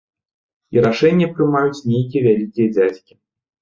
І рашэнне прымаюць нейкія вялікія дзядзькі.